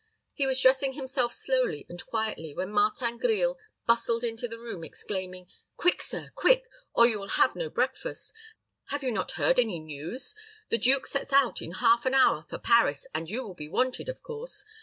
He was dressing himself slowly and quietly, when Martin Grille bustled into the room, exclaiming, "Quick, sir, quick! or you will have no breakfast. Have you not heard the news? The duke sets out in half an hour for Paris, and you will be wanted, of course.